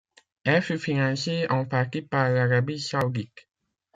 Elle fut financée en partie par l'Arabie saoudite.